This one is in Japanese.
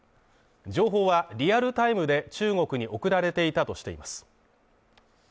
情報はリアルタイムで中国に送られていたとしています。